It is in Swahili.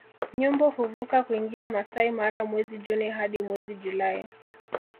Nyumbu huvuka kuingia Maasai Mara mwezi Juni hadi mwezi Julai